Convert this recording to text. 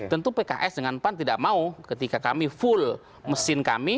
tentu pks dengan pan tidak mau ketika kami full mesin kami